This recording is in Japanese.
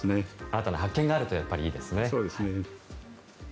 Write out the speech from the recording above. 新たな発見があるといいですね。